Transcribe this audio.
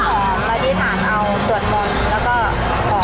แล้วที่ถามเอาสวนมนต์แล้วก็